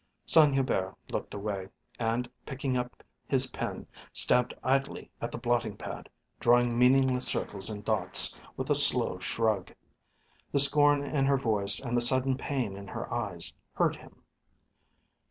Saint Hubert looked away, and, picking up his pen, stabbed idly at the blotting pad, drawing meaningless circles and dots, with a slow shrug. The scorn in her voice and the sudden pain in her eyes hurt him.